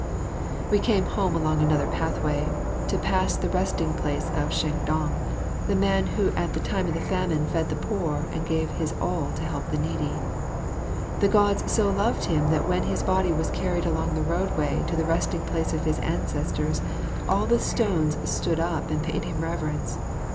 We came home another pathway, to pass the resting place of Sheng dong, the man who at the time of famine fed the poor and gave his all to help the needy. The Gods so loved him that when his body was carried along the road way to the Resting place of his Ancestors, all the stones stood up to pay him reverence.